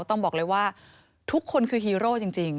ต้องบอกเลยว่าทุกคนคือฮีโร่จริง